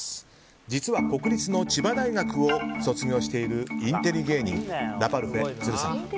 実は国立の千葉大学を卒業しているインテリ芸人ラパルフェ都留さん。